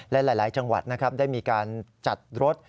และหลายจังหวัดนะครับได้มีการจัดรถ